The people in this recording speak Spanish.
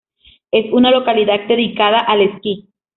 Es una localidad dedicada al esquí.